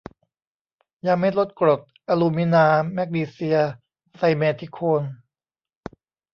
ยาเม็ดลดกรด อะลูมินา แมกนีเซีย ไซเมธิโคน